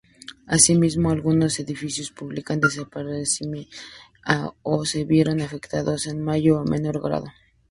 Asimismo, algunos edificios públicos desaparecieron o se vieron afectados en mayor o menor grado.